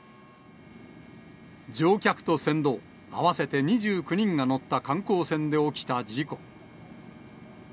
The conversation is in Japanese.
乗客と船頭合わせて２９人が乗った観光船で起きた事故。